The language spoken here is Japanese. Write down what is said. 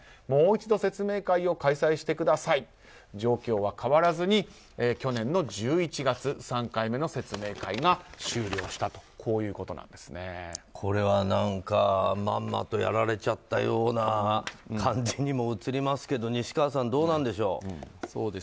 もう一度、説明会を開催してくださいと状況は変わらずに去年の１１月３回目の説明会が終了したとこれはまんまとやられちゃったような感じにも映りますが西川さん、どうなんでしょう？